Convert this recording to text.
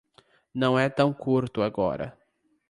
Não é tão curto agora.